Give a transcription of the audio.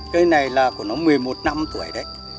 cây này là của nó một mươi một năm tuổi đấy